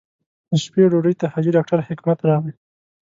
د شپې ډوډۍ ته حاجي ډاکټر حکمت راغی.